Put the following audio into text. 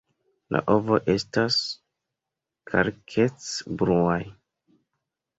La ovoj estas kalkec-bluaj.